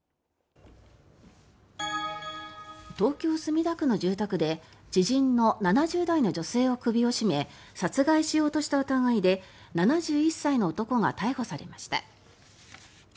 東京・墨田区の住宅で知人の７０代の女性の首を絞め殺害しようとした疑いで７１歳の男が逮捕されました。